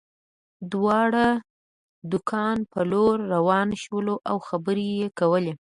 دواړه د کان په لور روان شول او خبرې یې کولې